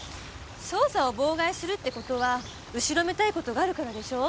捜査を妨害するって事は後ろめたい事があるからでしょ？